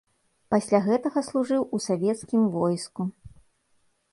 Пасля гэтага служыў у савецкім войску.